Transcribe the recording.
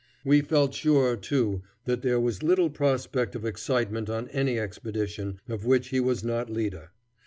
'" We felt sure, too, that there was little prospect of excitement on any expedition of which he was not leader.